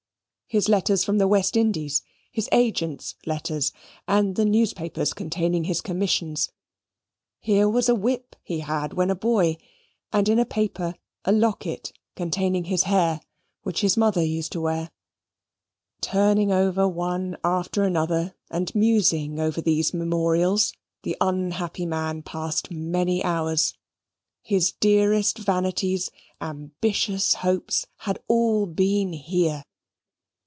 his letters from the West Indies his agent's letters, and the newspapers containing his commissions: here was a whip he had when a boy, and in a paper a locket containing his hair, which his mother used to wear. Turning one over after another, and musing over these memorials, the unhappy man passed many hours. His dearest vanities, ambitious hopes, had all been here.